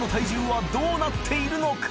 梁僚鼎どうなっているのか？